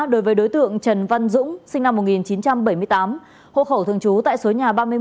đối với đối tượng trần văn dũng sinh năm một nghìn chín trăm bảy mươi tám hộ khẩu thường trú tại số nhà ba mươi một